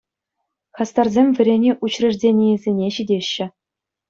Хастарсем вӗренӳ учрежеденийӗсене ҫитеҫҫӗ.